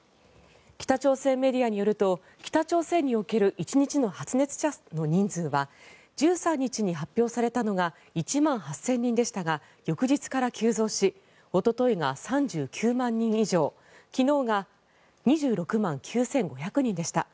北朝鮮メディアによると北朝鮮における１日の発熱者の人数は１３日に発表されたのが１万８０００人でしたが翌日から急増しおとといが３９万人以上昨日が２６万９５００人でした。